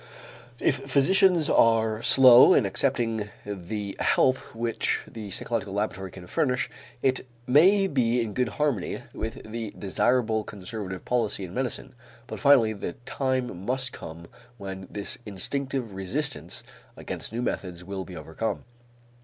If physicians are slow in accepting the help which the psychological laboratory can furnish, it may be in good harmony with the desirable conservative policy in medicine, but finally the time must come when this instinctive resistance against new methods will be overcome.